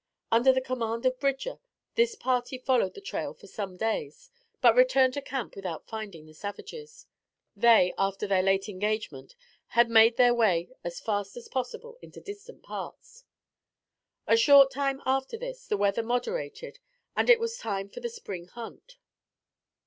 Under the command of Bridger, this party followed the trail for some days, but returned to camp without finding the savages. They, after their late engagement, had made their way as fast as possible into distant parts. A short time after this, the weather moderated and it was time for the spring hunt.